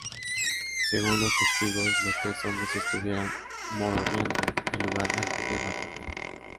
Según los testigos, los tres hombres estuvieron merodeando el lugar antes del atentado.